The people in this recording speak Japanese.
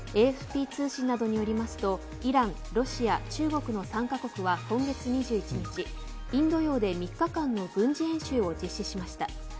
ＡＦＰ通信などによりますとイラン、ロシア、中国の３カ国は今月２１日インド洋で３日間の軍事演習を実施しました。